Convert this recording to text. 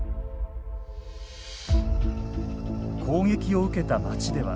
攻撃を受けた町では。